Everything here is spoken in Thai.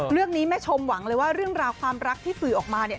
แม่ชมหวังเลยว่าเรื่องราวความรักที่สื่อออกมาเนี่ย